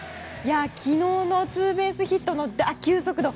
昨日のツーベースヒットの打球速度